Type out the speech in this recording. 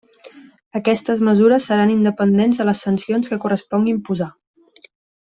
Aquestes mesures seran independents de les sancions que correspongui imposar.